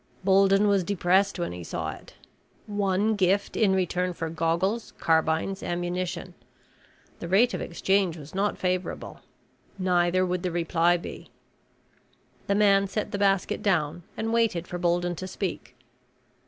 Bolden was depressed when he saw it. One gift in return for goggles, carbines, ammunition. The rate of exchange was not favorable. Neither would the reply be. The man set the basket down and waited for Bolden to speak.